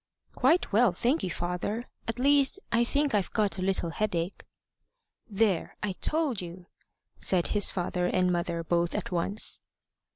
"Quite well, thank you, father; at least, I think I've got a little headache." "There! I told you," said his father and mother both at once.